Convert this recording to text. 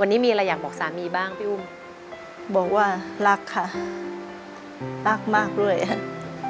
วันนี้มีอะไรอยากบอกสามีบ้างพี่อุ้มบอกว่ารักค่ะรักมากด้วยค่ะ